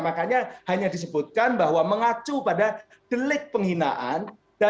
makanya hanya disebutkan bahwa mengacu pada delik penghinaan